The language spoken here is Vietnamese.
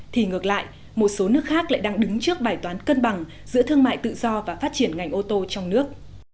thì ngược lại một số nước khác lại đang đứng trước bài toán cân bằng giữa thương mại tự do và phát triển ngành ô tô trong nước